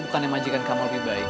bukan yang majikan kamu lebih baik